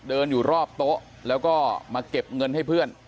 เดินอยู่รอบโต๊ะแล้วก็มาเก็บเงินให้เพื่อน